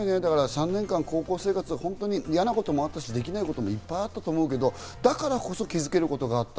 ３年間、高校生活、嫌なこともあったし、できないこともいっぱいあったと思うけど、だからこそ気づけることがあった。